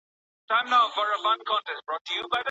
ولي د بریا لپاره هم بخت او هم زیار ته اړتیا لرو؟